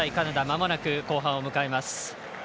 まもなく後半を迎えます。